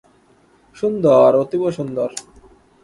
সুন্দর, অতীব সুন্দর।